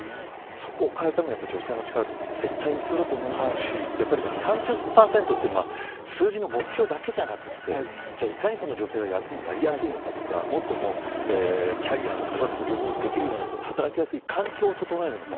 そこを変えるために女性の力は絶対に必要だと思いますし３０％って数字の目標だけじゃなくていかに女性が役員になりやすいのかとかキャリアも子育ても両方できるような働きやすい環境を整えるのか